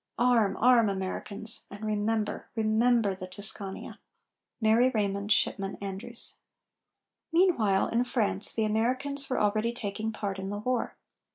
_ Arm, arm, Americans! And remember, remember, the Tuscania! MARY RAYMOND SHIPMAN ANDREWS. Meanwhile, in France, the Americans were already taking part in the war.